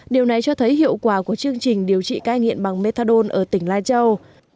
điều này cho thấy hiệu quả của chương trình điều trị cai nghiện bằng methadone ở tỉnh lai châu